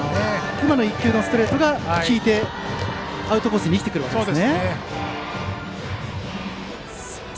今の１球のストレートが効いてアウトコースに生きてます。